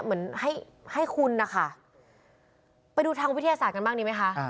เหมือนให้ให้คุณนะคะไปดูทางวิทยาศาสตร์กันบ้างดีไหมคะ